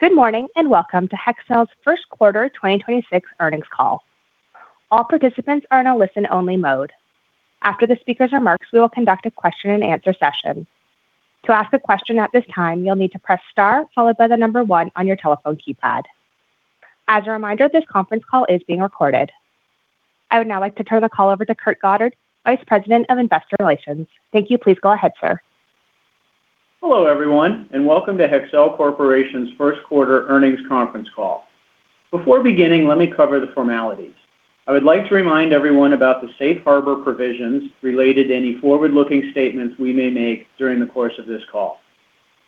Good morning, and welcome to Hexcel's first quarter 2026 earnings call. All participants are in a listen-only mode. After the speaker's remarks, we will conduct a question-and-answer session. To ask a question at this time, you'll need to press star followed by the number one on your telephone keypad. As a reminder, this conference call is being recorded. I would now like to turn the call over to Kurt Goddard, Vice President of Investor Relations. Thank you. Please go ahead, sir. Hello everyone, and welcome to Hexcel Corporation's first quarter earnings conference call. Before beginning, let me cover the formalities. I would like to remind everyone about the safe harbor provisions related to any forward-looking statements we may make during the course of this call.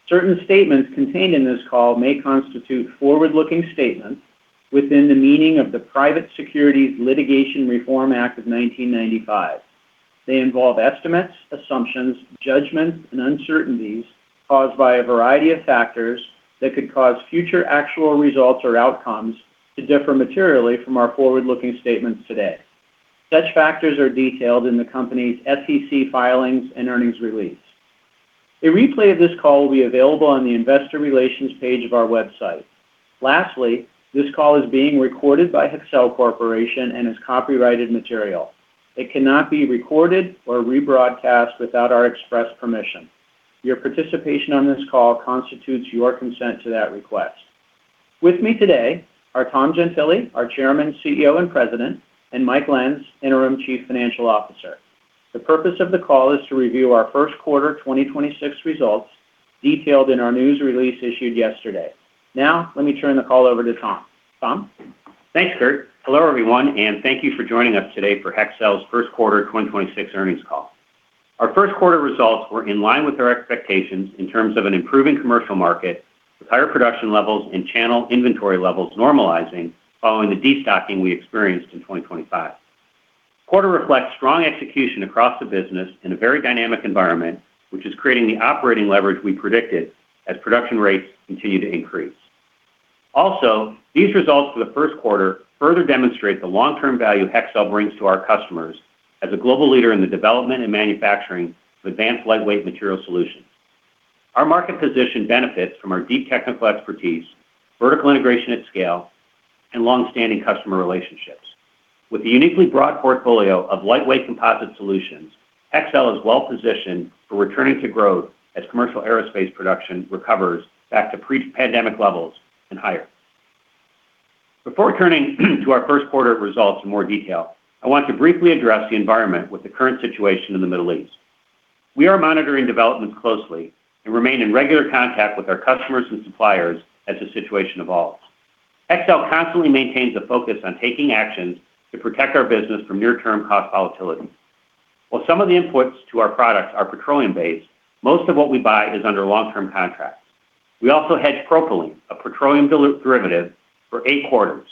Certain statements contained in this call may constitute forward-looking statements within the meaning of the Private Securities Litigation Reform Act of 1995. They involve estimates, assumptions, judgments, and uncertainties caused by a variety of factors that could cause future actual results or outcomes to differ materially from our forward-looking statements today. Such factors are detailed in the company's SEC filings and earnings release. A replay of this call will be available on the investor relations page of our website. Lastly, this call is being recorded by Hexcel Corporation and is copyrighted material. It cannot be recorded or rebroadcast without our express permission. Your participation on this call constitutes your consent to that request. With me today are Tom Gentile, our Chairman, CEO, and President, and Mike Lenz, Interim Chief Financial Officer. The purpose of the call is to review our first quarter 2026 results, detailed in our news release issued yesterday. Now, let me turn the call over to Tom. Tom? Thanks Kurt. Hello everyone, and thank you for joining us today for Hexcel's first quarter 2026 earnings call. Our first quarter results were in line with our expectations in terms of an improving commercial market with higher production levels and channel inventory levels normalizing following the destocking we experienced in 2025. The quarter reflects strong execution across the business in a very dynamic environment, which is creating the operating leverage we predicted as production rates continue to increase. Also, these results for the first quarter further demonstrate the long-term value Hexcel brings to our customers as a global leader in the development and manufacturing of advanced lightweight material solutions. Our market position benefits from our deep technical expertise, vertical integration at scale, and long-standing customer relationships. With the uniquely broad portfolio of lightweight composite solutions, Hexcel is well-positioned for returning to growth as commercial aerospace production recovers back to pre-pandemic levels and higher. Before turning to our first quarter results in more detail, I want to briefly address the environment with the current situation in the Middle East. We are monitoring developments closely and remain in regular contact with our customers and suppliers as the situation evolves. Hexcel constantly maintains a focus on taking actions to protect our business from near-term cost volatility. While some of the inputs to our products are petroleum-based, most of what we buy is under long-term contracts. We also hedge propylene, a petroleum derivative, for eight quarters.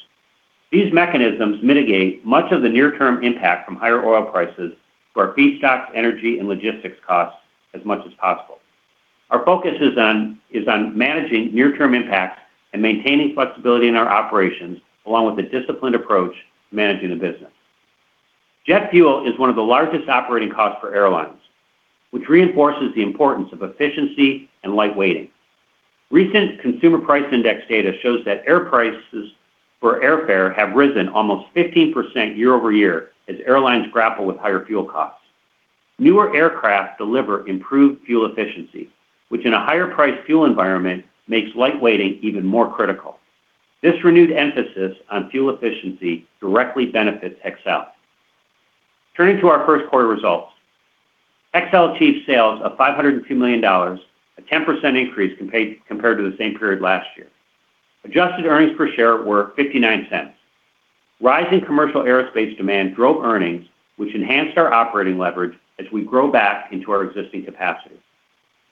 These mechanisms mitigate much of the near-term impact from higher oil prices to our feedstocks, energy, and logistics costs as much as possible. Our focus is on managing near-term impacts and maintaining flexibility in our operations, along with a disciplined approach to managing the business. Jet fuel is one of the largest operating costs for airlines, which reinforces the importance of efficiency and light-weighting. Recent consumer price index data shows that air prices for airfare have risen almost 15% year-over-year as airlines grapple with higher fuel costs. Newer aircraft deliver improved fuel efficiency, which in a higher-priced fuel environment, makes light-weighting even more critical. This renewed emphasis on fuel efficiency directly benefits Hexcel. Turning to our first quarter results. Hexcel achieved sales of $502 million, a 10% increase compared to the same period last year. Adjusted earnings per share were $0.59. Rising commercial aerospace demand drove earnings, which enhanced our operating leverage as we grow back into our existing capacity.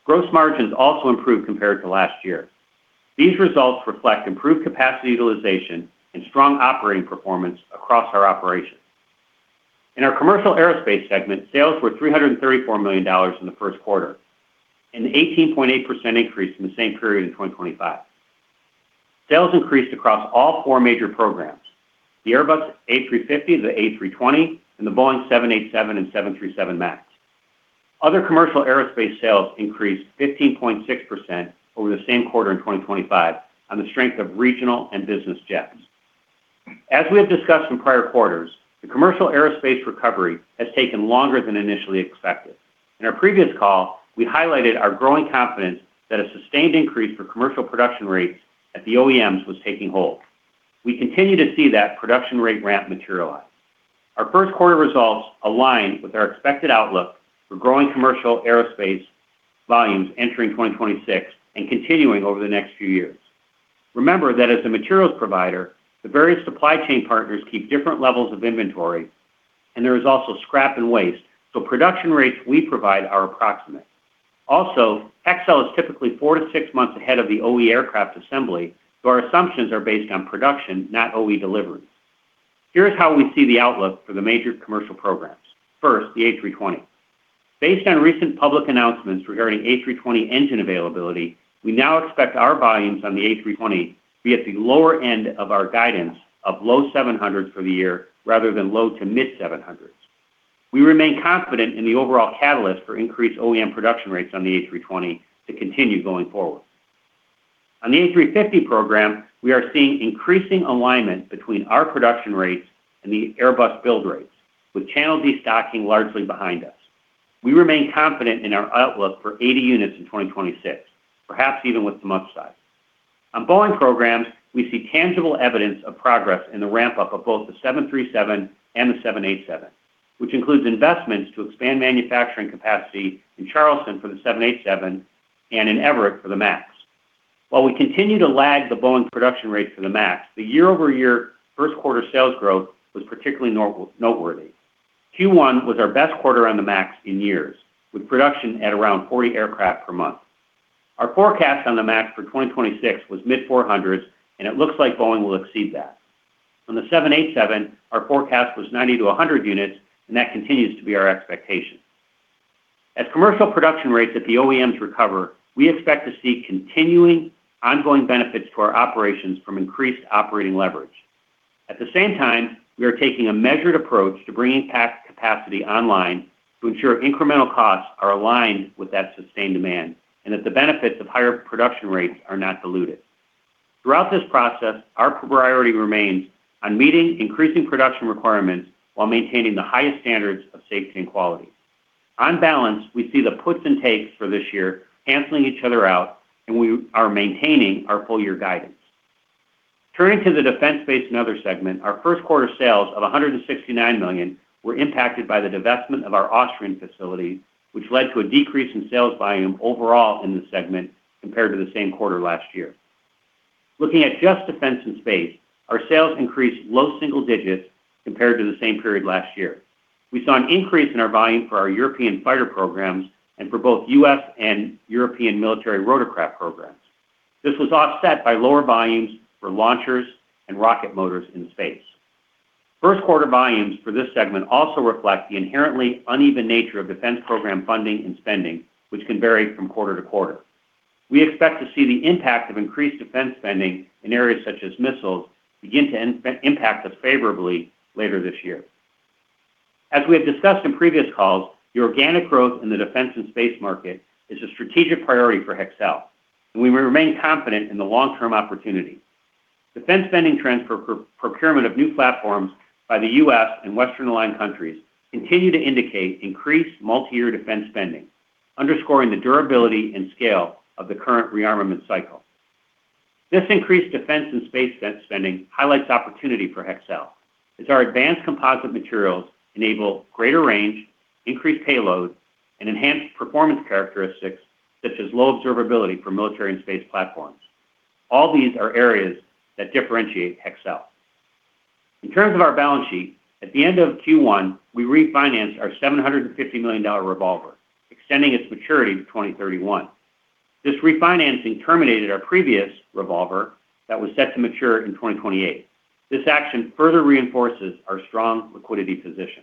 Gross margins also improved compared to last year. These results reflect improved capacity utilization and strong operating performance across our operations. In our Commercial Aerospace segment, sales were $334 million in the first quarter, an 18.8% increase from the same period in 2023. Sales increased across all four major programs, the Airbus A350, the A320, and the Boeing 787, and 737 MAX. Other Commercial Aerospace sales increased 15.6% over the same quarter in 2023 on the strength of regional and business jets. As we have discussed in prior quarters, the Commercial Aerospace recovery has taken longer than initially expected. In our previous call, we highlighted our growing confidence that a sustained increase for commercial production rates at the OEMs was taking hold. We continue to see that production rate ramp materialize. Our first quarter results align with our expected outlook for growing commercial aerospace volumes entering 2026 and continuing over the next few years. Remember that as the materials provider, the various supply chain partners keep different levels of inventory, and there is also scrap and waste, so production rates we provide are approximate. Also, Hexcel is typically four-six months ahead of the OE aircraft assembly, so our assumptions are based on production, not OE deliveries. Here's how we see the outlook for the major commercial programs. First, the A320. Based on recent public announcements regarding A320 engine availability, we now expect our volumes on the A320 to be at the lower end of our guidance of low 700s for the year, rather than low-to-mid 700s. We remain confident in the overall catalyst for increased OEM production rates on the A320 to continue going forward. On the A350 program, we are seeing increasing alignment between our production rates and the Airbus build rates, with channel destocking largely behind us. We remain confident in our outlook for 80 units in 2026, perhaps even with some upside. On Boeing programs, we see tangible evidence of progress in the ramp-up of both the 737 and the 787, which includes investments to expand manufacturing capacity in Charleston for the 787 and in Everett for the MAX. While we continue to lag the Boeing production rate for the MAX, the year-over-year first quarter sales growth was particularly noteworthy. Q1 was our best quarter on the MAX in years, with production at around 40 aircraft per month. Our forecast on the MAX for 2026 was mid-400s, and it looks like Boeing will exceed that. On the 787, our forecast was 90-100 units, and that continues to be our expectation. As commercial production rates at the OEMs recover, we expect to see continuing, ongoing benefits to our operations from increased operating leverage. At the same time, we are taking a measured approach to bringing pack capacity online to ensure incremental costs are aligned with that sustained demand, and that the benefits of higher production rates are not diluted. Throughout this process, our priority remains on meeting increasing production requirements while maintaining the highest standards of safety and quality. On balance, we see the puts and takes for this year canceling each other out, and we are maintaining our full year guidance. Turning to the Defense, Space and Other segment, our first quarter sales of $169 million were impacted by the divestment of our Austrian facility, which led to a decrease in sales volume overall in the segment compared to the same quarter last year. Looking at just defense and space, our sales increased low single digits compared to the same period last year. We saw an increase in our volume for our European fighter programs and for both U.S. and European military rotorcraft programs. This was offset by lower volumes for launchers and rocket motors in space. First quarter volumes for this segment also reflect the inherently uneven nature of defense program funding and spending, which can vary from quarter to quarter. We expect to see the impact of increased defense spending in areas such as missiles begin to impact us favorably later this year. As we have discussed in previous calls, the organic growth in the defense and space market is a strategic priority for Hexcel, and we remain confident in the long-term opportunity. Defense spending trends for procurement of new platforms by the U.S. and Western-aligned countries continue to indicate increased multiyear defense spending, underscoring the durability and scale of the current rearmament cycle. This increased defense and space spending highlights opportunity for Hexcel, as our advanced composite materials enable greater range, increased payload, and enhanced performance characteristics, such as low observability for military and space platforms. All these are areas that differentiate Hexcel. In terms of our balance sheet, at the end of Q1, we refinanced our $750 million revolver, extending its maturity to 2031. This refinancing terminated our previous revolver that was set to mature in 2028. This action further reinforces our strong liquidity position.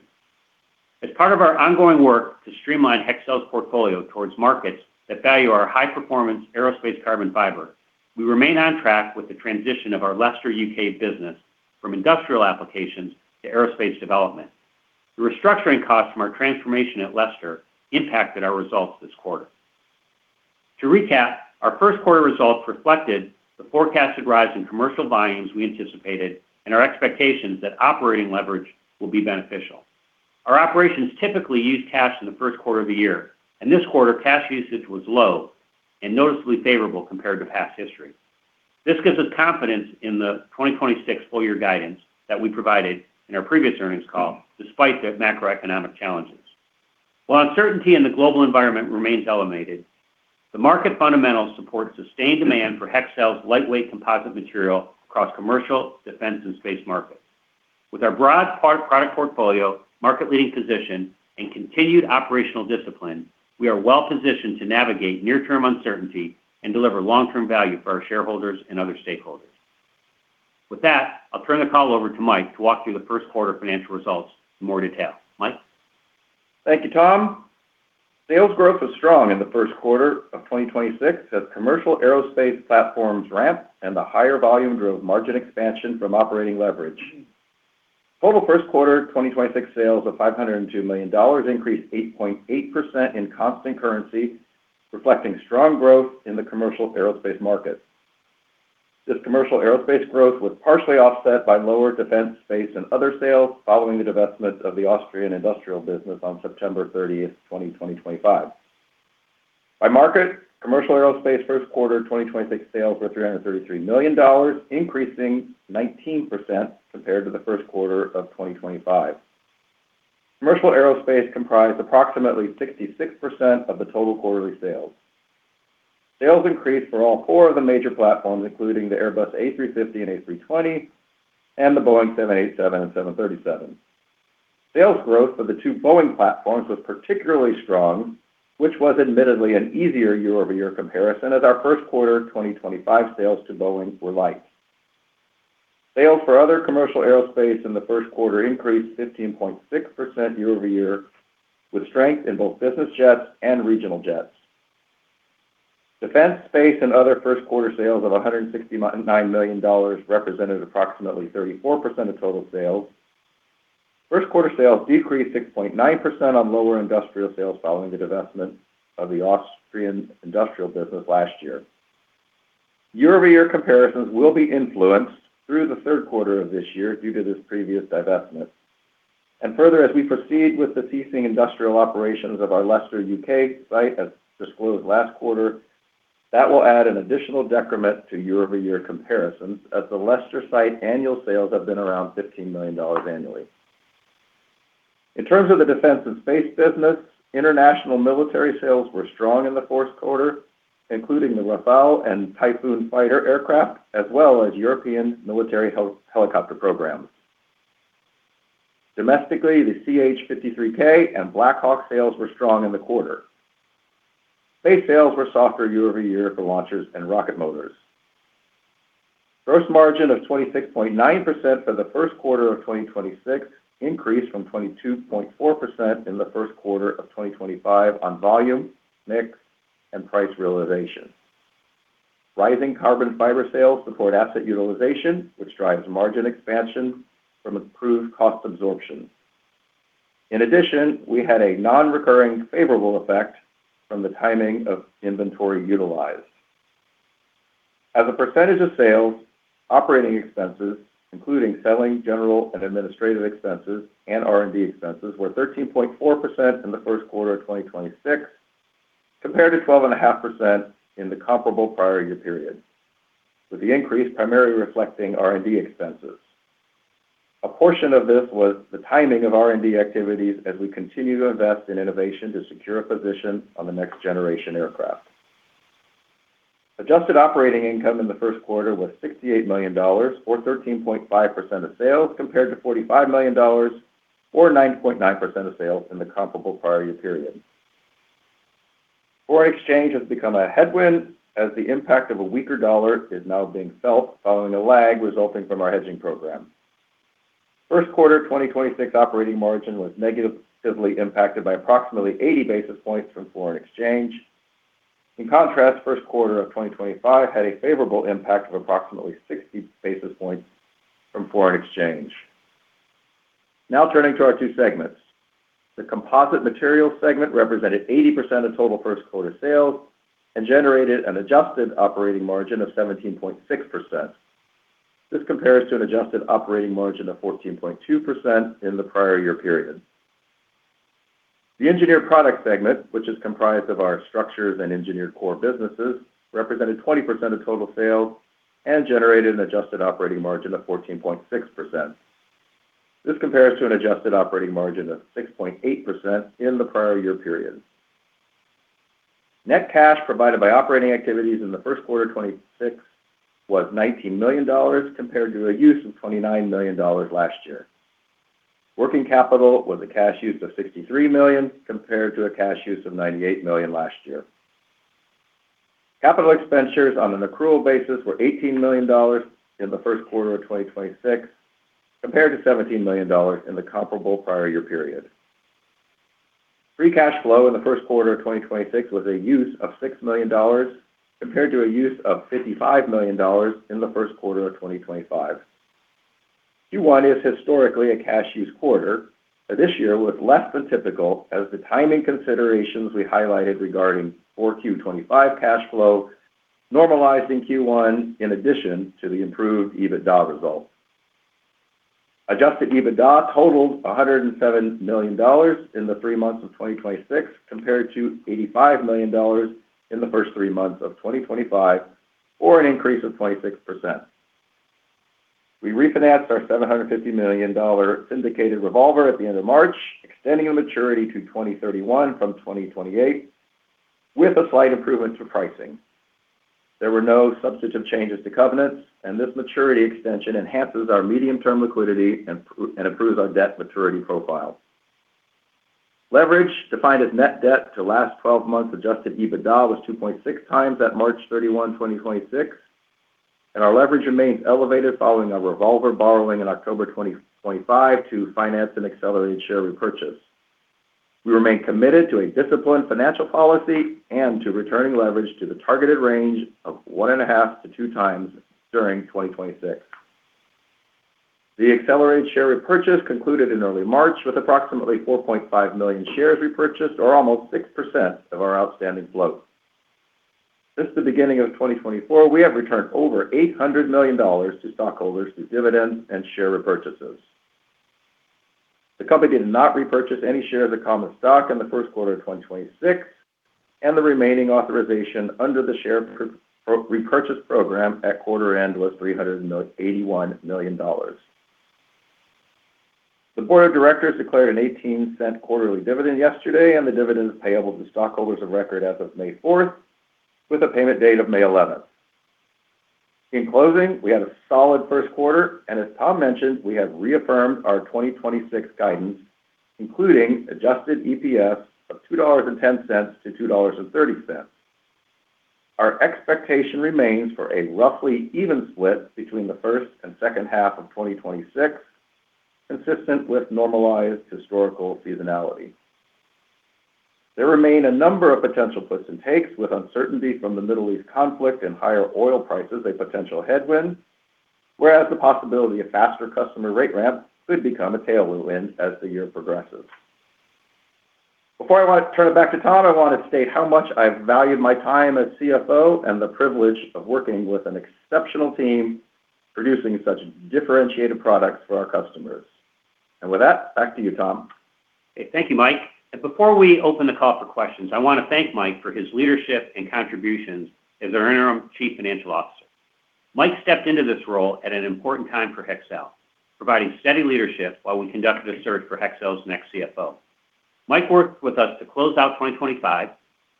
As part of our ongoing work to streamline Hexcel's portfolio towards markets that value our high-performance aerospace carbon fiber, we remain on track with the transition of our Leicester, U.K. business from industrial applications to aerospace development. The restructuring costs from our transformation at Leicester impacted our results this quarter. To recap, our first quarter results reflected the forecasted rise in commercial volumes we anticipated and our expectations that operating leverage will be beneficial. Our operations typically use cash in the first quarter of the year. In this quarter, cash usage was low and noticeably favorable compared to past history. This gives us confidence in the 2026 full-year guidance that we provided in our previous earnings call, despite the macroeconomic challenges. While uncertainty in the global environment remains elevated, the market fundamentals support sustained demand for Hexcel's lightweight composite material across commercial, defense, and space markets. With our broad product portfolio, market-leading position, and continued operational discipline, we are well positioned to navigate near-term uncertainty and deliver long-term value for our shareholders and other stakeholders. With that, I'll turn the call over to Mike to walk through the first quarter financial results in more detail. Mike? Thank you Tom. Sales growth was strong in the first quarter of 2026 as commercial aerospace platforms ramped and the higher volume drove margin expansion from operating leverage. Total first quarter 2026 sales of $502 million increased 8.8% in constant currency, reflecting strong growth in the commercial aerospace market. This commercial aerospace growth was partially offset by lower defense, space, and other sales, following the divestment of the Austrian industrial business on September 30th, 2025. By market, commercial aerospace first quarter 2026 sales were $333 million, increasing 19% compared to the first quarter of 2025. Commercial aerospace comprised approximately 66% of the total quarterly sales. Sales increased for all four of the major platforms, including the Airbus A350 and A320 and the Boeing 787 and 737. Sales growth of the two Boeing platforms was particularly strong, which was admittedly an easier year-over-year comparison as our first quarter 2025 sales to Boeing were light. Sales for other commercial aerospace in the first quarter increased 15.6% year-over-year, with strength in both business jets and regional jets. Defense, space, and other first quarter sales of $169 million represented approximately 34% of total sales. First quarter sales decreased 6.9% on lower industrial sales following the divestment of the Austrian industrial business last year. Year-over-year comparisons will be influenced through the third quarter of this year due to this previous divestment. Further, as we proceed with the ceasing industrial operations of our Leicester, U.K. site, as disclosed last quarter, that will add an additional decrement to year-over-year comparisons, as the Leicester site annual sales have been around $15 million annually. In terms of the defense and space business, international military sales were strong in the fourth quarter, including the Rafale and Typhoon fighter aircraft, as well as European military helicopter programs. Domestically, the CH-53K and Black Hawk sales were strong in the quarter. Space sales were softer year-over-year for launchers and rocket motors. Gross margin of 26.9% for the first quarter of 2026 increased from 22.4% in the first quarter of 2025 on volume, mix, and price realization. Rising carbon fiber sales support asset utilization, which drives margin expansion from improved cost absorption. In addition, we had a non-recurring favorable effect from the timing of inventory utilized. As a percentage of sales, operating expenses, including selling, general, and administrative expenses, and R&D expenses, were 13.4% in the first quarter of 2026, compared to 12.5% in the comparable prior year period, with the increase primarily reflecting R&D expenses. A portion of this was the timing of R&D activities as we continue to invest in innovation to secure a position on the next generation aircraft. Adjusted operating income in the first quarter was $68 million, or 13.5% of sales, compared to $45 million, or 9.9% of sales in the comparable prior year period. Foreign exchange has become a headwind as the impact of a weaker dollar is now being felt following a lag resulting from our hedging program. First quarter 2026 operating margin was negatively impacted by approximately 80 basis points from foreign exchange. In contrast, first quarter of 2025 had a favorable impact of approximately 60 basis points from foreign exchange. Now turning to our two segments. The composite materials segment represented 80% of total first quarter sales and generated an adjusted operating margin of 17.6%. This compares to an adjusted operating margin of 14.2% in the prior year period. The Engineered Products segment, which is comprised of our structures and engineered core businesses, represented 20% of total sales and generated an adjusted operating margin of 14.6%. This compares to an adjusted operating margin of 6.8% in the prior year period. Net cash provided by operating activities in the first quarter 2026 was $90 million, compared to a use of $29 million last year. Working capital was a cash use of $63 million, compared to a cash use of $98 million last year. Capital expenditures on an accrual basis were $18 million in the first quarter of 2026, compared to $17 million in the comparable prior year period. Free cash flow in the first quarter of 2026 was a use of $6 million, compared to a use of $55 million in the first quarter of 2025. Q1 is historically a cash use quarter, but this year was less than typical as the timing considerations we highlighted regarding Q4 2025 cash flow normalized in Q1, in addition to the improved EBITDA results. Adjusted EBITDA totaled $107 million in the three months of 2026, compared to $85 million in the first three months of 2025, or an increase of 26%. We refinanced our $750 million indicated revolver at the end of March, extending the maturity to 2031 from 2028, with a slight improvement to pricing. There were no substantive changes to covenants, and this maturity extension enhances our medium-term liquidity and improves our debt maturity profile. Leverage, defined as net debt to last 12 months adjusted EBITDA, was 2.6x at March 31, 2026, and our leverage remains elevated following our revolver borrowing in October 2025 to finance an accelerated share repurchase. We remain committed to a disciplined financial policy and to returning leverage to the targeted range of 1.5-2 times during 2026. The accelerated share repurchase concluded in early March with approximately 4.5 million shares repurchased, or almost 6% of our outstanding float. Since the beginning of 2024, we have returned over $800 million to stockholders through dividends and share repurchases. The company did not repurchase any shares of common stock in the first quarter of 2026, and the remaining authorization under the share repurchase program at quarter end was $381 million. The board of directors declared a $0.18 quarterly dividend yesterday, and the dividend is payable to stockholders of record as of May 4th, with a payment date of May 11th. In closing, we had a solid first quarter and as Tom mentioned, we have reaffirmed our 2026 guidance, including adjusted EPS of $2.10-$2.30. Our expectation remains for a roughly even split between the first and second half of 2026. Consistent with normalized historical seasonality. There remain a number of potential puts and takes, with uncertainty from the Middle East conflict and higher oil prices a potential headwind, whereas the possibility of faster customer rate ramp could become a tailwind as the year progresses. Before I turn it back to Tom, I want to state how much I've valued my time as CFO and the privilege of working with an exceptional team producing such differentiated products for our customers. With that, back to you Tom. Thank you Mike. Before we open the call for questions, I want to thank Mike for his leadership and contributions as our Interim Chief Financial Officer. Mike stepped into this role at an important time for Hexcel, providing steady leadership while we conducted a search for Hexcel's next CFO. Mike worked with us to close out 2025,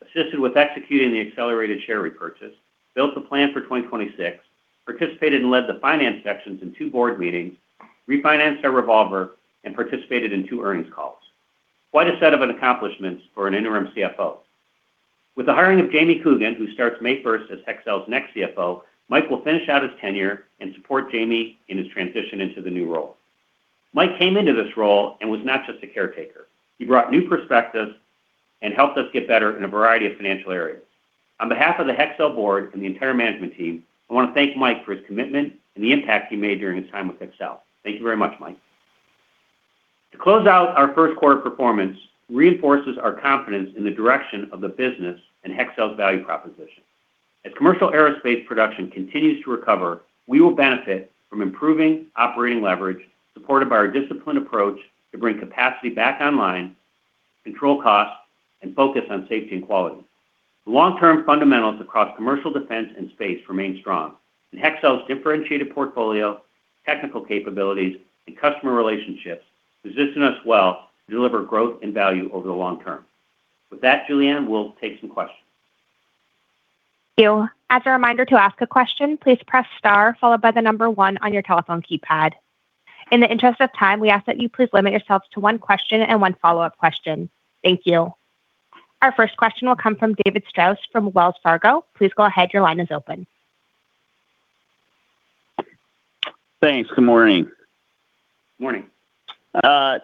assisted with executing the accelerated share repurchase, built the plan for 2026, participated and led the finance sections in two board meetings, refinanced our revolver, and participated in two earnings calls. Quite a set of accomplishments for an Interim CFO. With the hiring of Jamie Coogan, who starts May 1st as Hexcel's next CFO, Mike will finish out his tenure and support Jamie in his transition into the new role. Mike came into this role and was not just a caretaker. He brought new perspectives and helped us get better in a variety of financial areas. On behalf of the Hexcel board and the entire management team, I want to thank Mike for his commitment and the impact he made during his time with Hexcel. Thank you very much Mike. To close out, our first quarter performance reinforces our confidence in the direction of the business and Hexcel's value proposition. As commercial aerospace production continues to recover, we will benefit from improving operating leverage, supported by our disciplined approach to bring capacity back online, control costs, and focus on safety and quality. The long-term fundamentals across commercial defense and space remain strong, and Hexcel's differentiated portfolio, technical capabilities, and customer relationships position us well to deliver growth and value over the long term. With that Julianne, we'll take some questions. Thank you. As a reminder to ask a question, please press star followed by the number one on your telephone keypad. In the interest of time, we ask that you please limit yourselves to one question and one follow-up question. Thank you. Our first question will come from David Strauss from Wells Fargo. Please go ahead. Your line is open. Thanks. Good morning. Morning. Tom,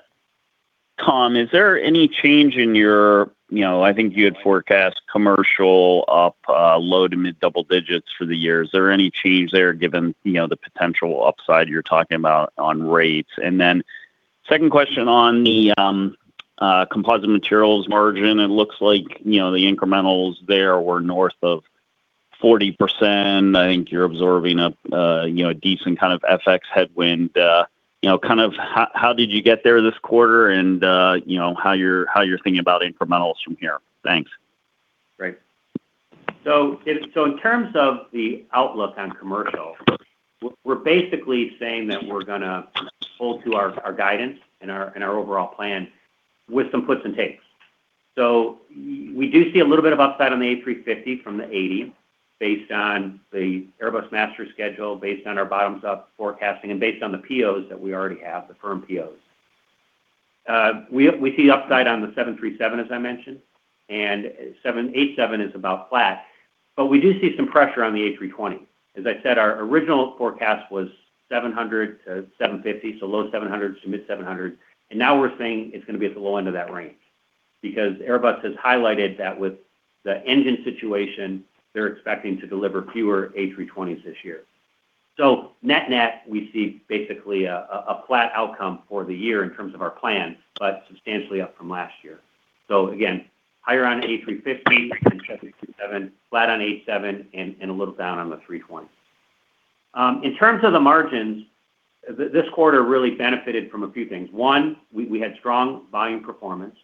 is there any change in your forecast? I think you had forecast commercial up low to mid double digits for the year. Is there any change there given the potential upside you're talking about on rates? Second question on the composite materials margin, it looks like the incrementals there were north of 40%. I think you're absorbing a decent kind of FX headwind. How did you get there this quarter and how you're thinking about incrementals from here? Thanks. Great. In terms of the outlook on commercial, we're basically saying that we're going to hold to our guidance and our overall plan with some puts and takes. We do see a little bit of upside on the A350 from the 80, based on the Airbus master schedule, based on our bottoms-up forecasting, and based on the POs that we already have, the firm POs. We see upside on the 737, as I mentioned, and 787 is about flat, but we do see some pressure on the A320. As I said, our original forecast was 700-750, so low 700 to mid 700. Now we're saying it's going to be at the low end of that range because Airbus has highlighted that with the engine situation, they're expecting to deliver fewer A320s this year. Net-net, we see basically a flat outcome for the year in terms of our plan, but substantially up from last year. Again, higher on A350, 737, flat on 787, and a little down on the A320. In terms of the margins, this quarter really benefited from a few things. One, we had strong volume performance.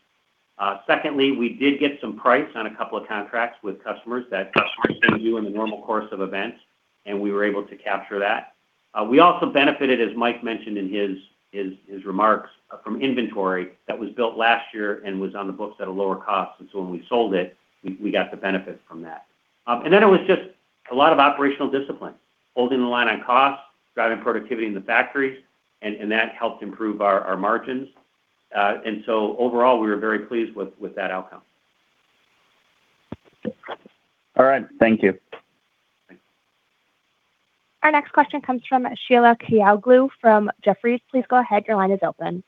Secondly, we did get some price on a couple of contracts with customers that customers gave you in the normal course of events, and we were able to capture that. We also benefited, as Mike mentioned in his remarks, from inventory that was built last year and was on the books at a lower cost. When we sold it, we got the benefit from that. It was just a lot of operational discipline, holding the line on costs, driving productivity in the factories, and that helped improve our margins. Overall, we were very pleased with that outcome. All right. Thank you. Thanks. Our next question comes from Sheila Kahyaoglu from Jefferies. Please go ahead. Your line is open.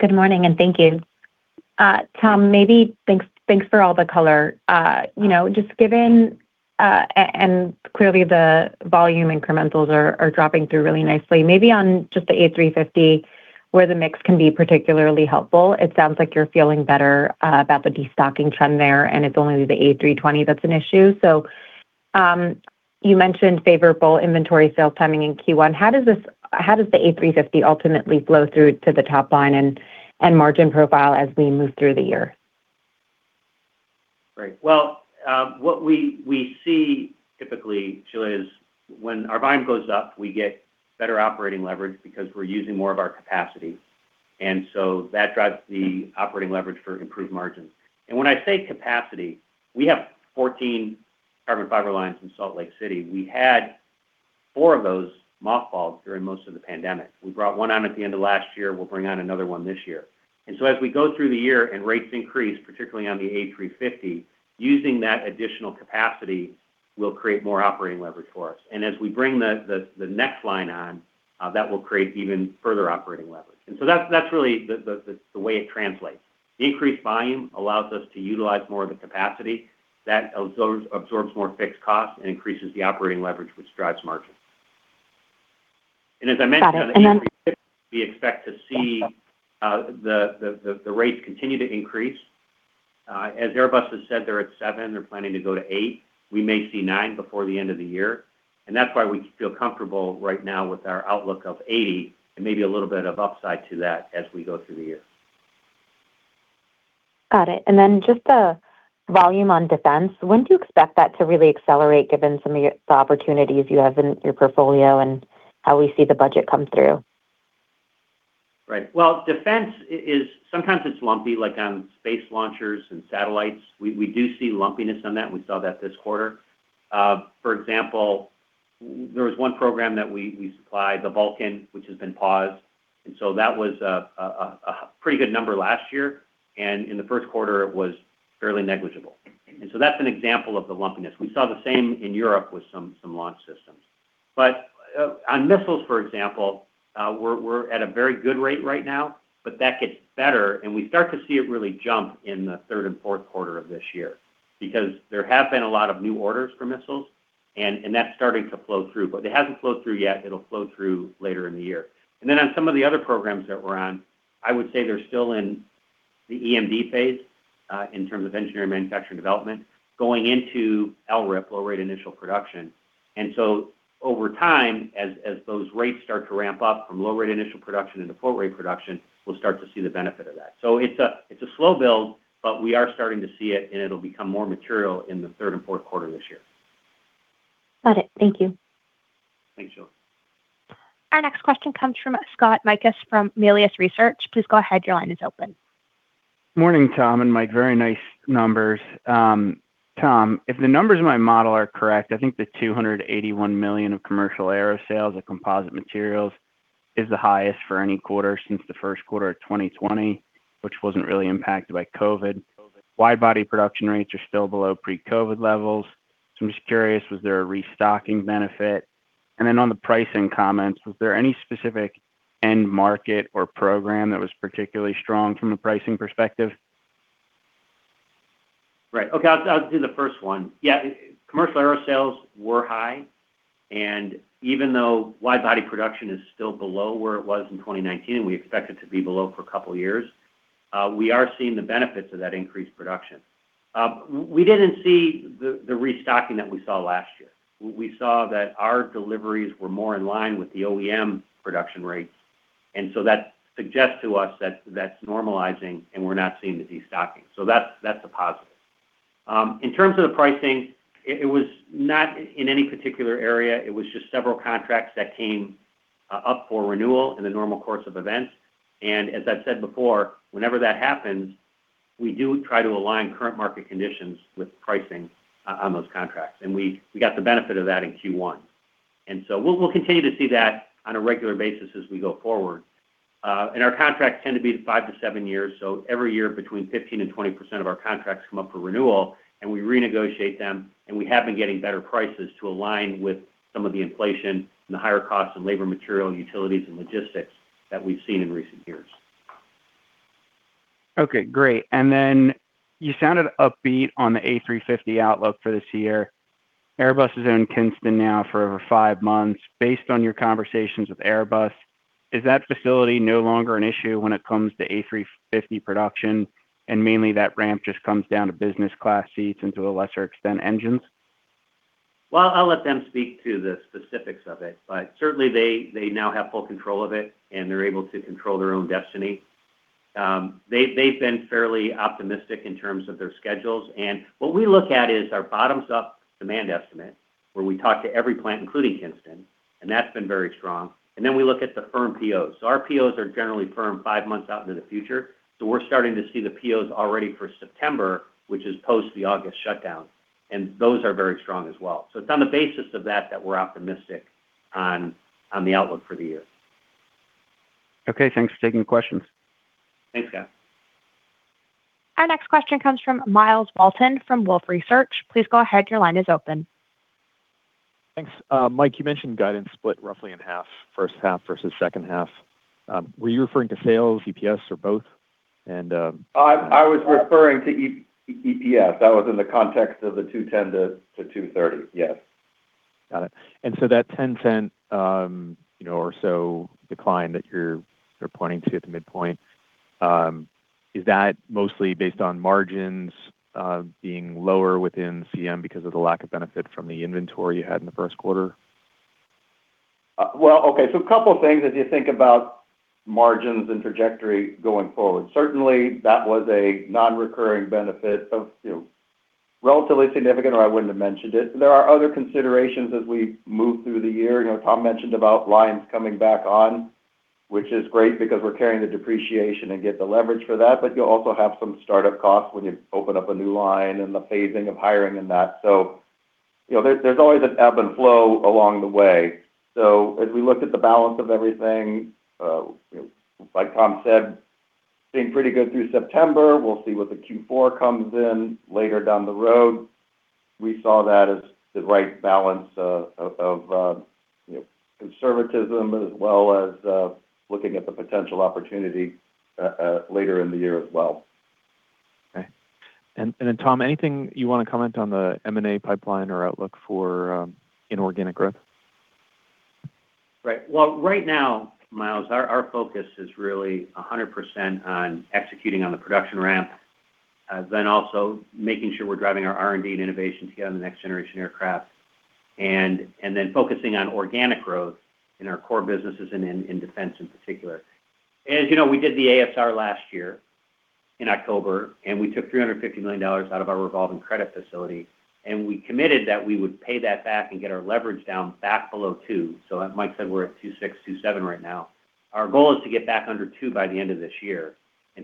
Good morning and thank you. Tom, thanks for all the color. Just given, clearly the volume incrementals are dropping through really nicely. Maybe on just the A350, where the mix can be particularly helpful, it sounds like you're feeling better about the destocking trend there, and it's only the A320 that's an issue. You mentioned favorable inventory sales timing in Q1. How does the A350 ultimately flow through to the top line and margin profile as we move through the year? Right. What we see typically Sheila is, when our volume goes up, we get better operating leverage because we're using more of our capacity. That drives the operating leverage for improved margins. When I say capacity, we have 14 carbon fiber lines in Salt Lake City. We had four of those mothballed during most of the pandemic. We brought one on at the end of last year, we'll bring on another one this year. As we go through the year and rates increase, particularly on the A350, using that additional capacity will create more operating leverage for us. As we bring the next line on, that will create even further operating leverage. That's really the way it translates. The increased volume allows us to utilize more of the capacity. That absorbs more fixed costs and increases the operating leverage, which drives margins. Got it. As I mentioned on the increase, we expect to see the rates continue to increase. As Airbus has said, they're at seven, they're planning to go to eight. We may see nine before the end of the year, and that's why we feel comfortable right now with our outlook of 80 and maybe a little bit of upside to that as we go through the year. Got it. Just the volume on Defense, when do you expect that to really accelerate given some of the opportunities you have in your portfolio and how we see the budget come through? Right. Well, Defense is sometimes it's lumpy, like on space launchers and satellites. We do see lumpiness on that, and we saw that this quarter. For example, there was one program that we supplied, the Vulcan, which has been paused, and so that was a pretty good number last year. In the first quarter it was fairly negligible. That's an example of the lumpiness. We saw the same in Europe with some launch systems. On missiles, for example, we're at a very good rate right now, but that gets better and we start to see it really jump in the third and fourth quarter of this year because there have been a lot of new orders for missiles and that's starting to flow through. It hasn't flowed through yet. It'll flow through later in the year. On some of the other programs that we're on, I would say they're still in the EMD phase, in terms of engineering, manufacturing, development, going into LRIP, low rate initial production. Over time, as those rates start to ramp up from low rate initial production into full rate production, we'll start to see the benefit of that. It's a slow build, but we are starting to see it, and it'll become more material in the third and fourth quarter this year. Got it. Thank you. Thanks Sheila. Our next question comes from Scott Mikus from Melius Research. Please go ahead. Your line is open. Morning Tom and Mike. Very nice numbers. Tom, if the numbers in my model are correct, I think the $281 million of commercial aero sales of composite materials is the highest for any quarter since the first quarter of 2020, which wasn't really impacted by COVID. Wide body production rates are still below pre-COVID levels. I'm just curious, was there a restocking benefit? Then on the pricing comments, was there any specific end market or program that was particularly strong from a pricing perspective? Right. Okay. I'll do the first one. Yeah, commercial aero sales were high, and even though wide body production is still below where it was in 2019, and we expect it to be below for a couple of years, we are seeing the benefits of that increased production. We didn't see the restocking that we saw last year. We saw that our deliveries were more in line with the OEM production rates, and so that suggests to us that that's normalizing and we're not seeing the destocking. That's a positive. In terms of the pricing, it was not in any particular area. It was just several contracts that came up for renewal in the normal course of events. As I've said before, whenever that happens, we do try to align current market conditions with pricing on those contracts. We got the benefit of that in Q1. We'll continue to see that on a regular basis as we go forward. Our contracts tend to be five-7seven years. Every year between 15%-20% of our contracts come up for renewal and we renegotiate them. We have been getting better prices to align with some of the inflation and the higher costs in labor, material, and utilities and logistics that we've seen in recent years. Okay, great. You sounded upbeat on the A350 outlook for this year. Airbus has owned Kinston now for over five months. Based on your conversations with Airbus, is that facility no longer an issue when it comes to A350 production and mainly that ramp just comes down to business class seats and to a lesser extent, engines? Well, I'll let them speak to the specifics of it, but certainly they now have full control of it and they're able to control their own destiny. They've been fairly optimistic in terms of their schedules, and what we look at is our bottoms up demand estimate, where we talk to every plant, including Kinston, and that's been very strong. We look at the firm POs. Our POs are generally firm five months out into the future. We're starting to see the POs already for September, which is post the August shutdown, and those are very strong as well. It's on the basis of that that we're optimistic on the outlook for the year. Okay, thanks for taking the questions. Thanks Scott. Our next question comes from Myles Walton from Wolfe Research. Please go ahead. Your line is open. Thanks. Mike, you mentioned guidance split roughly in half, first half versus second half. Were you referring to sales, EPS or both? I was referring to EPS. That was in the context of the $2.10-$2.30. Yes. Got it. That $0.10 or so decline that you're pointing to at the midpoint, is that mostly based on margins being lower within CM because of the lack of benefit from the inventory you had in the first quarter? Well, okay. A couple of things as you think about margins and trajectory going forward. Certainly, that was a non-recurring benefit of relatively significant or I wouldn't have mentioned it. There are other considerations as we move through the year. Tom mentioned about lines coming back on, which is great because we're carrying the depreciation and get the leverage for that. But you'll also have some startup costs when you open up a new line and the phasing of hiring and that. There's always an ebb and flow along the way. As we look at the balance of everything, like Tom said. Seems pretty good through September. We'll see what the Q4 comes in later down the road. We saw that as the right balance of conservatism as well as looking at the potential opportunity later in the year as well. Okay. Tom, anything you want to comment on the M&A pipeline or outlook for inorganic growth? Right. Well, right now Myles, our focus is really 100% on executing on the production ramp, then also making sure we're driving our R&D and innovation together on the next generation aircraft, and then focusing on organic growth in our core businesses and in defense in particular. As you know, we did the ASR last year in October, and we took $350 million out of our revolving credit facility, and we committed that we would pay that back and get our leverage down back below two. As Mike said, we're at 2.6-2.7 right now. Our goal is to get back under two by the end of this year.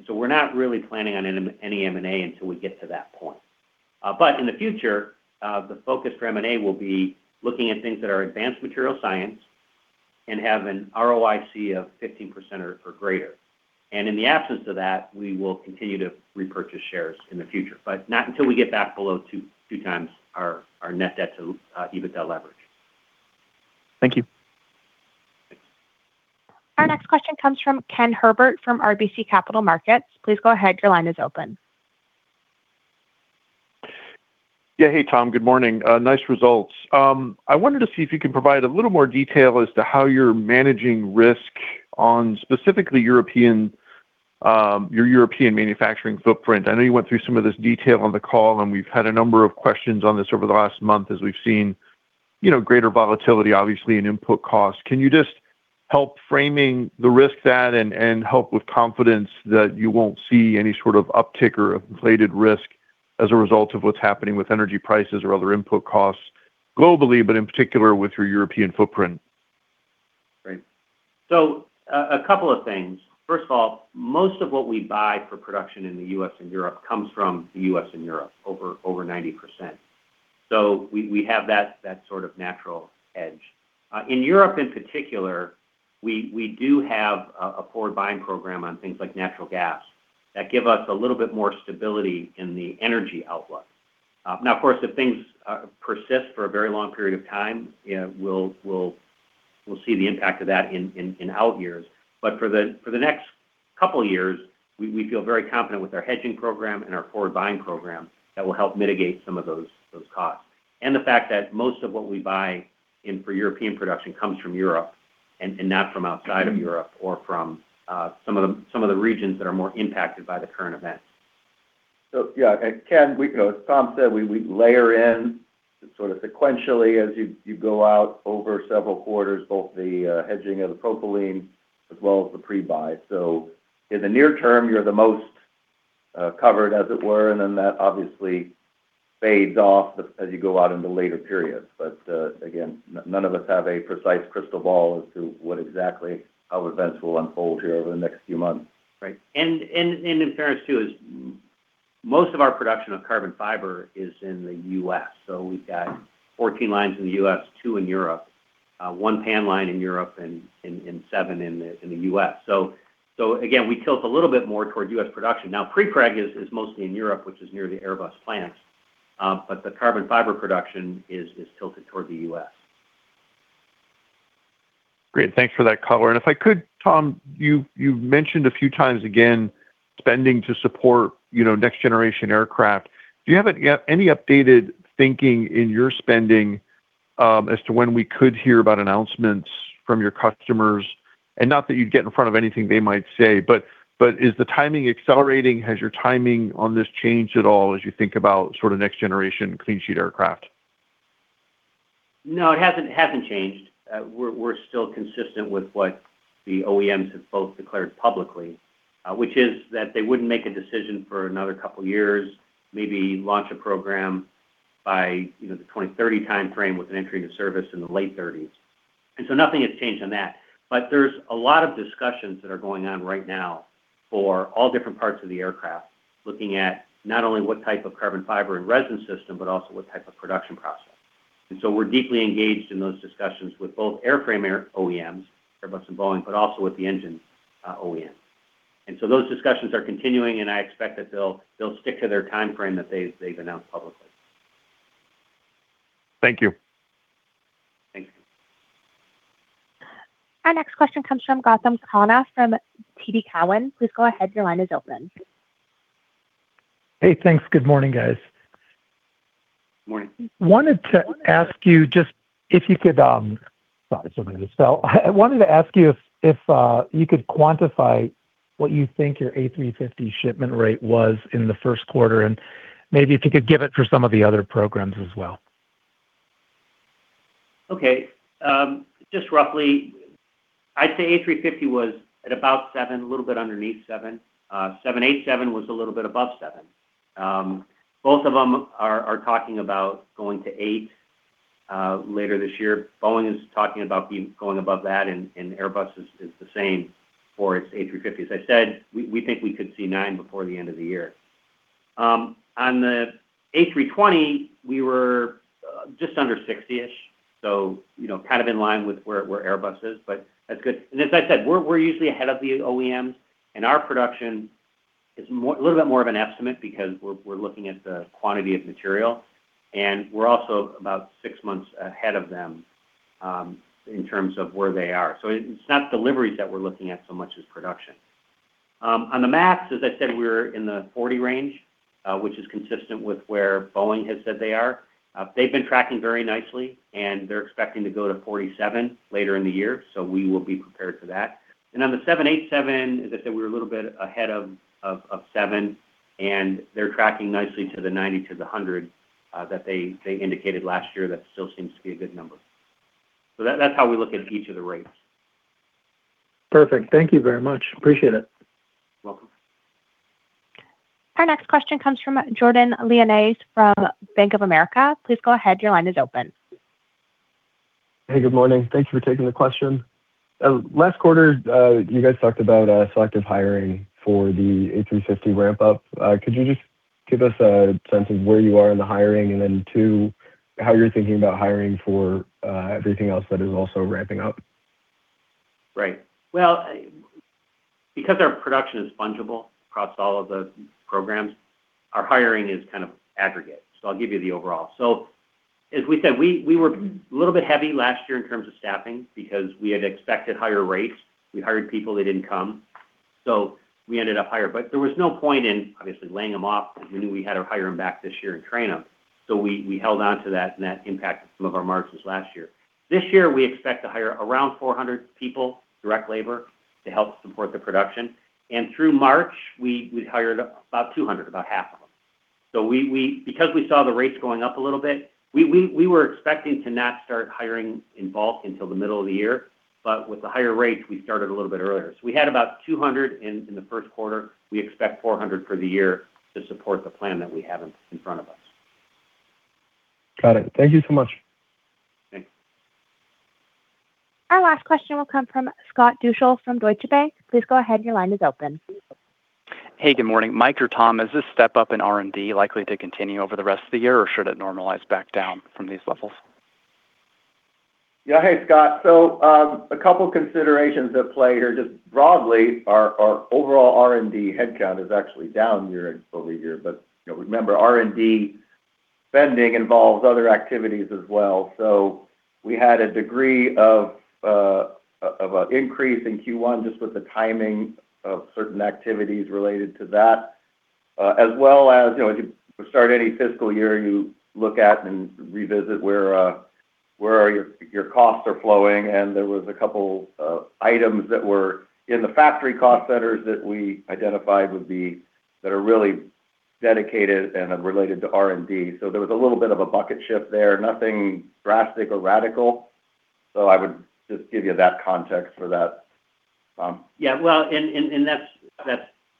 We're not really planning on any M&A until we get to that point. In the future, the focus for M&A will be looking at things that are advanced material science and have an ROIC of 15% or greater. In the absence of that, we will continue to repurchase shares in the future, but not until we get back below two times our net debt to EBITDA leverage. Thank you. Thanks. Our next question comes from Ken Herbert from RBC Capital Markets. Please go ahead. Your line is open. Yeah. Hey Tom. Good morning. Nice results. I wanted to see if you can provide a little more detail as to how you're managing risk on specifically your European manufacturing footprint. I know you went through some of this detail on the call, and we've had a number of questions on this over the last month as we've seen greater volatility, obviously, in input costs. Can you just help framing the risk there and help with confidence that you won't see any sort of uptick or inflated risk as a result of what's happening with energy prices or other input costs globally, but in particular with your European footprint? Great. A couple of things. First of all, most of what we buy for production in the U.S. and Europe comes from the U.S. and Europe, over 90%. We have that sort of natural edge. In Europe in particular, we do have a forward buying program on things like natural gas that give us a little bit more stability in the energy outlook. Now, of course, if things persist for a very long period of time, we'll see the impact of that in out years. For the next couple of years, we feel very confident with our hedging program and our forward buying program that will help mitigate some of those costs. The fact that most of what we buy in for European production comes from Europe and not from outside of Europe or from some of the regions that are more impacted by the current events. Yeah Ken as Tom said, we layer in sort of sequentially as you go out over several quarters, both the hedging of the propylene as well as the pre-buy. In the near term, you're the most covered, as it were, and then that obviously fades off as you go out into later periods. Again, none of us have a precise crystal ball as to what exactly how events will unfold here over the next few months. Right. In fairness, too, is most of our production of carbon fiber is in the U.S. We've got 14 lines in the U.S., two in Europe, one PAN line in Europe and seven in the U.S. Again, we tilt a little bit more toward U.S. production. Now, prepreg is mostly in Europe, which is near the Airbus plant, but the carbon fiber production is tilted toward the U.S. Great. Thanks for that color. If I could Tom, you've mentioned a few times, again, spending to support next-generation aircraft. Do you have any updated thinking in your spending as to when we could hear about announcements from your customers? And not that you'd get in front of anything they might say, but is the timing accelerating? Has your timing on this changed at all as you think about next-generation clean sheet aircraft? No, it hasn't changed. We're still consistent with what the OEMs have both declared publicly, which is that they wouldn't make a decision for another couple of years, maybe launch a program by the 2030 timeframe with an entry into service in the late 30s. Nothing has changed on that. There's a lot of discussions that are going on right now for all different parts of the aircraft, looking at not only what type of carbon fiber and resin system, but also what type of production process. We're deeply engaged in those discussions with both airframe OEMs, Airbus and Boeing, but also with the engine OEMs. Those discussions are continuing, and I expect that they'll stick to their timeframe that they've announced publicly. Thank you. Thanks. Our next question comes from Gautam Khanna from TD Cowen. Please go ahead. Your line is open. Hey thanks. Good morning guys. Morning. I wanted to ask you if you could quantify what you think your A350 shipment rate was in the first quarter, and maybe if you could give it for some of the other programs as well? Okay. Just roughly, I'd say A350 was at about seven, a little bit underneath seven. 787 was a little bit above seven. Both of them are talking about going to eight later this year. Boeing is talking about going above that, and Airbus is the same for its A350. As I said, we think we could see nine before the end of the year. On the A320, we were just under 60-ish, so kind of in line with where Airbus is, but that's good. And as I said, we're usually ahead of the OEMs, and our production is a little bit more of an estimate because we're looking at the quantity of material, and we're also about 6 months ahead of them in terms of where they are. It's not deliveries that we're looking at so much as production. On the MAX, as I said, we're in the 40 range, which is consistent with where Boeing has said they are. They've been tracking very nicely, and they're expecting to go to 47 later in the year, so we will be prepared for that. On the 787, as I said, we're a little bit ahead of seven, and they're tracking nicely to the 90-100 that they indicated last year. That still seems to be a good number. That's how we look at each of the rates. Perfect. Thank you very much. Appreciate it. You're welcome. Our next question comes from Jordan Lyonnais from Bank of America. Please go ahead. Your line is open. Hey, good morning. Thank you for taking the question. Last quarter, you guys talked about selective hiring for the A350 ramp up. Could you just give us a sense of where you are in the hiring? Two, how you're thinking about hiring for everything else that is also ramping up? Right. Well, because our production is fungible across all of the programs, our hiring is kind of aggregate. I'll give you the overall. As we said, we were a little bit heavy last year in terms of staffing because we had expected higher rates. We hired people. They didn't come. We ended up hiring, but there was no point in obviously laying them off because we knew we had to hire them back this year and train them. We held onto that, and that impacted some of our margins last year. This year we expect to hire around 400 people, direct labor, to help support the production. Through March, we hired about 200, about half of them. Because we saw the rates going up a little bit, we were expecting to not start hiring in bulk until the middle of the year. With the higher rates, we started a little bit earlier. We had about 200 in the first quarter. We expect 400 for the year to support the plan that we have in front of us. Got it. Thank you so much. Thanks. Our last question will come from Scott Deuschle from Deutsche Bank. Please go ahead. Your line is open. Hey, good morning. Mike or Tom, is this step up in R&D likely to continue over the rest of the year, or should it normalize back down from these levels? Yeah. Hey Scott. A couple considerations at play here. Just broadly, our overall R&D headcount is actually down year-over-year. Remember, R&D spending involves other activities as well. We had a degree of an increase in Q1, just with the timing of certain activities related to that. As well as, if you start any fiscal year, you look at and revisit where your costs are flowing. There was a couple of items that were in the factory cost centers that we identified that are really dedicated and are related to R&D. There was a little bit of a bucket shift there. Nothing drastic or radical. I would just give you that context for that, Tom. Yeah. Well,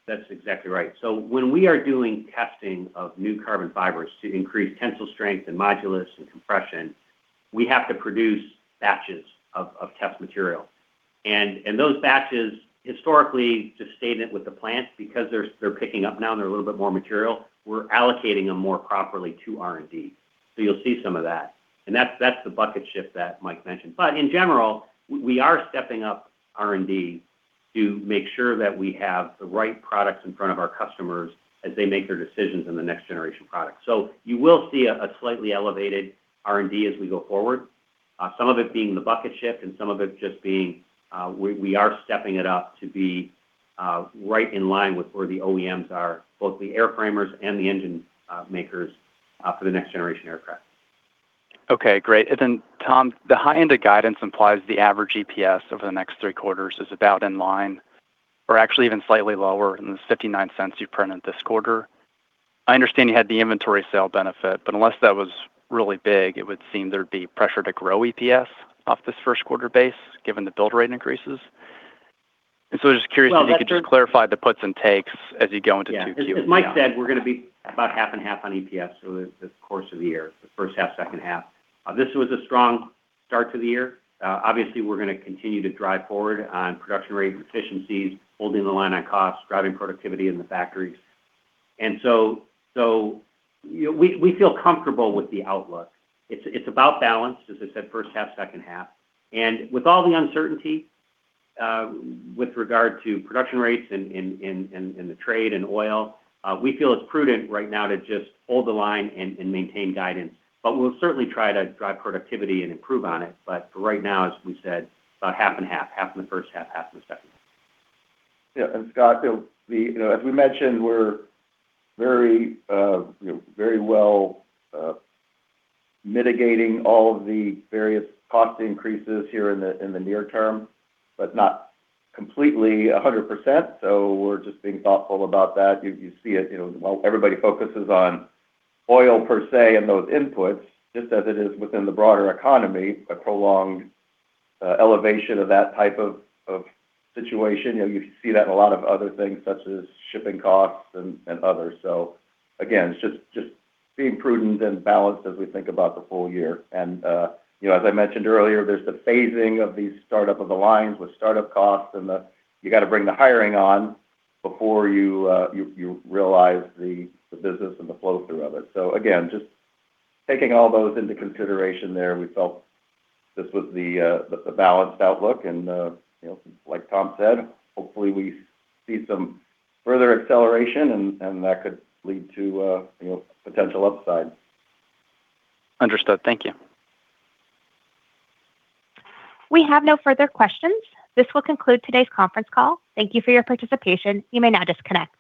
that's exactly right. When we are doing testing of new carbon fibers to increase tensile strength and modulus and compression, we have to produce batches of test material. Those batches historically just stayed in with the plant. Because they're picking up now and there's a little bit more material, we're allocating them more properly to R&D. You'll see some of that, and that's the bucket shift that Mike mentioned. In general, we are stepping up R&D to make sure that we have the right products in front of our customers as they make their decisions in the next generation product. You will see a slightly elevated R&D as we go forward, some of it being the bucket shift and some of it just being, we are stepping it up to be right in line with where the OEMs are, both the airframers and the engine makers for the next generation aircraft. Okay great. Tom, the high end of guidance implies the average EPS over the next three quarters is about in line or actually even slightly lower than the $0.59 you printed this quarter. I understand you had the inventory sale benefit, but unless that was really big, it would seem there'd be pressure to grow EPS off this first quarter base, given the build rate increases. Just curious if you could just clarify the puts and takes as you go into 2Q and beyond. Yeah. As Mike said, we're going to be about half and half on EPS over the course of the year, the first half, second half. This was a strong start to the year. Obviously we're going to continue to drive forward on production rate efficiencies, holding the line on costs, driving productivity in the factories. We feel comfortable with the outlook. It's about balance, as I said, first half, second half. With all the uncertainty with regard to production rates and the trade and oil, we feel it's prudent right now to just hold the line and maintain guidance. We'll certainly try to drive productivity and improve on it. For right now, as we said, about half and half in the first half in the second. Yeah. Scott as we mentioned, we're very well mitigating all of the various cost increases here in the near term, but not completely 100%. We're just being thoughtful about that. You see it, while everybody focuses on oil per se and those inputs, just as it is within the broader economy, a prolonged elevation of that type of situation, you see that in a lot of other things such as shipping costs and others. Again, it's just being prudent and balanced as we think about the full year. As I mentioned earlier, there's the phasing of these startup of the lines with startup costs and the, you got to bring the hiring on before you realize the business and the flow through of it. Again, just taking all those into consideration there, we felt this was the balanced outlook. Like Tom said, hopefully we see some further acceleration, and that could lead to potential upside. Understood. Thank you. We have no further questions. This will conclude today's conference call. Thank you for your participation. You may now disconnect.